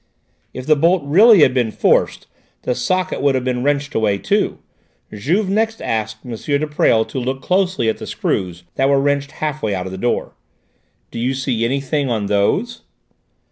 If the bolt really had been forced, the socket would have been wrenched away too." Juve next asked M. de Presles to look closely at the screws that were wrenched halfway out of the door. "Do you see anything on those?"